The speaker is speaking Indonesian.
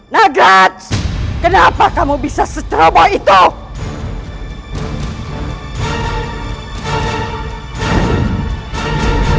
nagraj kenapa kamu bisa secara baik itu